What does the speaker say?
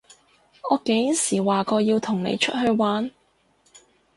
我幾時話過要同你出去玩？